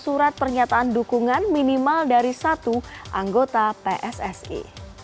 surat pernyataan dukungan minimal dari satu anggota pssi